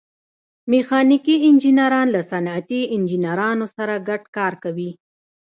میخانیکي انجینران له صنعتي انجینرانو سره ګډ کار کوي.